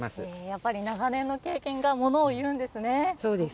やっぱり長年の経験がものをいうんですね。